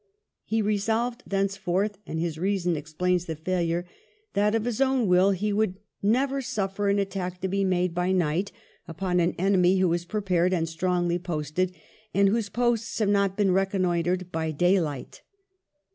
He resolved thenceforth, and his reason explains the failure, that of his own will he would "never suffer an attack to be made by night upon an enemy who is prepared and strongly posted, and whose posts have not been reconnoitred by daylight."